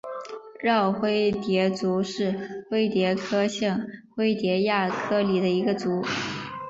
娆灰蝶族是灰蝶科线灰蝶亚科里的一个族。